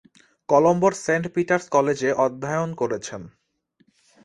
কলম্বোর Saint Peter's কলেজে অধ্যয়ন করেছেন।